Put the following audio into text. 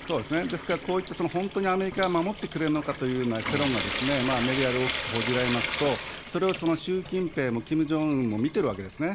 ですからこういった本当にアメリカが守ってくれるのかという世論がメディアで大きく報じられますと、それを習近平もキム・ジョンウンも見てるわけですね。